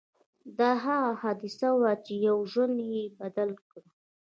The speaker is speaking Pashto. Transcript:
دا هغه حادثه وه چې يو ژوند يې بدل کړ.